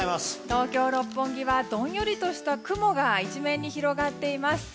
東京・六本木はどんよりとした雲が一面に広がっています。